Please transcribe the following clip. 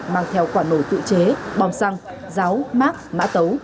mang theo quả nổ tự chế bom xăng ráo mát mã tấu